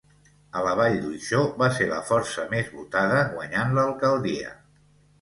A la Vall d'Uixó va ser la força més votada guanyant l'alcaldia.